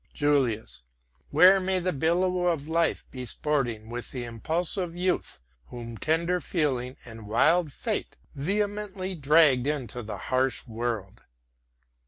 JULIUS Where may the billow of life be sporting with the impulsive youth whom tender feeling and wild fate vehemently dragged into the harsh world?